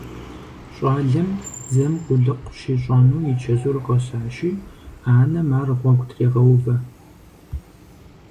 ЩӀалэм дзэм къулыкъу щищӀэну и чэзур къэсащи, анэм ар гъуэгу трегъэувэ.